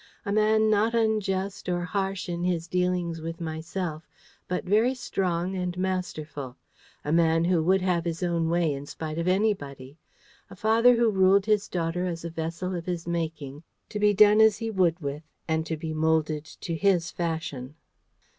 A man not unjust or harsh in his dealings with myself, but very strong and masterful. A man who would have his own way in spite of anybody. A father who ruled his daughter as a vessel of his making, to be done as he would with, and be moulded to his fashion.